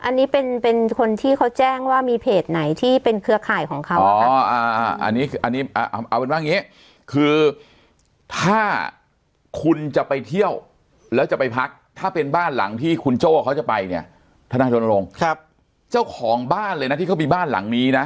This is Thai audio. อันนี้เป็นเป็นคนที่เขาแจ้งว่ามีเพจไหนที่เป็นเครือข่ายของเขา